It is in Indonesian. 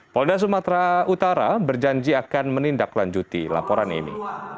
polda sumatera utara berjanji akan menindaklanjuti laporan ini